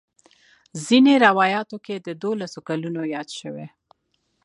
ځینې روایاتو کې د دولسو کلونو یاد شوی.